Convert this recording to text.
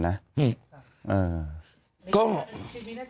แบบนี้